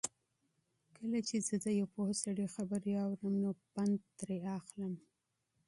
کله چې زه د یو پوه سړي خبرې اورم نو نوټ یې اخلم.